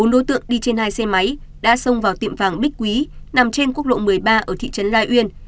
bốn đối tượng đi trên hai xe máy đã xông vào tiệm vàng bích quý nằm trên quốc lộ một mươi ba ở thị trấn lai uyên